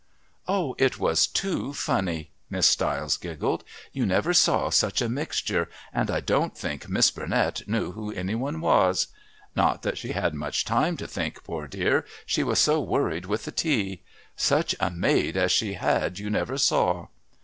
"Oh, it was too funny!" Miss Stiles giggled. "You never saw such a mixture, and I don't think Miss Burnett knew who any one was. Not that she had much time to think, poor dear, she was so worried with the tea. Such a maid as she had you never saw!"